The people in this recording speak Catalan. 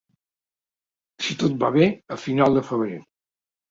Si tot va bé, a final de febrer.